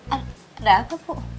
ada apa puh